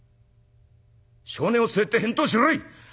性根を据えて返答しろい！」。